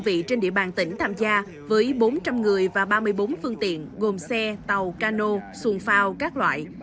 các vị trên địa bàn tỉnh tham gia với bốn trăm linh người và ba mươi bốn phương tiện gồm xe tàu cano xuồng phao các loại